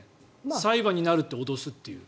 裁判になるって脅すという。